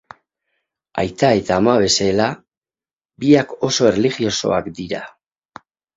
Aita eta ama bezala, biak oso erlijiosoak dira.